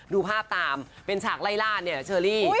ดูภาพตามเป็นฉากไล่ล่าเนี่ยเชอรี่